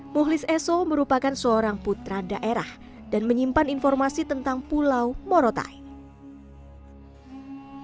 mukhlis esok merupakan seorang putra daerah dan menyimpan informasi tentang pulau murau taik